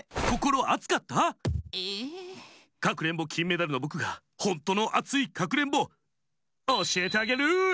「かくれんぼきんメダル」のぼくがほんとのアツイかくれんぼおしえてあげる！